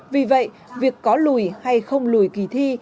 vì vậy việc có lùi hay không lùi kỳ thi